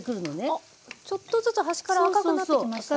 あっちょっとずつ端から赤くなってきました。